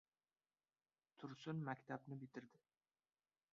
Tursun maktabni bitirdi.